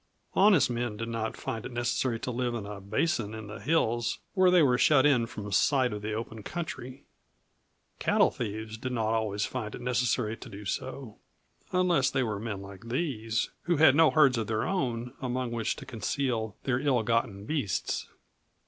Honest men did not find it necessary to live in a basin in the hills where they were shut in from sight of the open country. Cattle thieves did not always find it necessary to do so unless they were men like these, who had no herds of their own among which to conceal their ill gotten beasts.